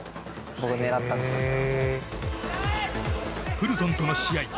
フルトンとの試合。